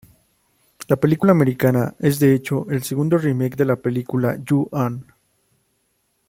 La película americana, es de hecho el segundo remake de la película Ju-on.